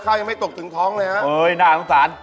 ยังไม่ตกถึงท้องเลยฮะเอ้ยน่าสงสาร